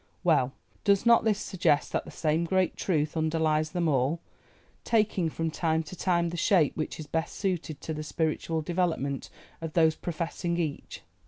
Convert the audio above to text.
Well, does not this suggest that the same great truth underlies them all, taking from time to time the shape which is best suited to the spiritual development of those professing each.